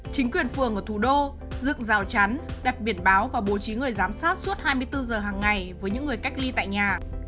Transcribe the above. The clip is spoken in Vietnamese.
chính quyền phường ở thủ đô dựng rào chắn đặt biển báo và bố trí người giám sát suốt hai mươi bốn giờ hàng ngày với những người cách ly tại nhà